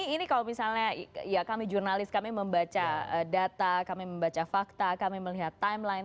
ini kalau misalnya ya kami jurnalis kami membaca data kami membaca fakta kami melihat timeline